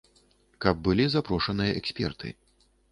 Каб былі запрошаныя эксперты.